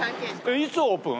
いつオープン？